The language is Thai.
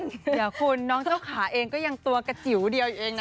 เดี๋ยวคุณน้องเจ้าขาเองก็ยังตัวกระจิ๋วเดียวเองนะ